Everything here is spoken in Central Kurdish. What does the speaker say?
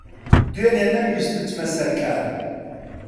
دوێنێ نەمویست بچمە سەر کار.